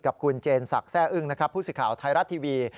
กับคุณเจนสักแซ่อึ้งผู้สิทธิ์ข่าวไทยรัตน์ทีวี